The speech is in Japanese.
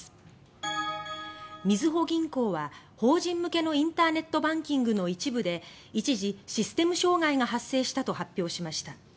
みずほ銀行は法人向けのインターネットバンキングの一部で一時、システム障害が発生したと発表しました。